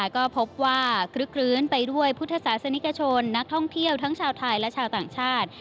ก็พบว่าคลึกคลื้นไปด้วยพุทธศาสนิกชนนักท่องเที่ยวทั้งชาวไทยและชาวต่างชาติ